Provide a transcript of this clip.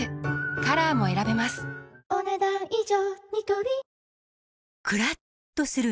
カラーも選べますお、ねだん以上。